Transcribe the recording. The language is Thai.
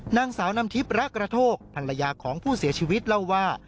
นางสาวน้ำทิพย์ระกระโทกภรรยาของผู้เสียชีวิตเล่าว่า